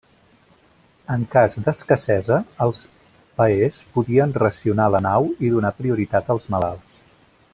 En cas d'escassesa els paers podien racionar la nau i donar prioritat als malalts.